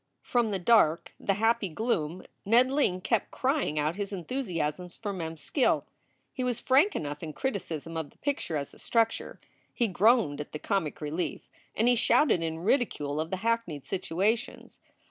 From the dark, the happy gloom Ned Ling kept crying out his enthusiasms for Mem s skill. He was frank enough in criticism of the picture as a structure. He groaned at the comic relief and he shouted in ridicule of the hackneyed situations.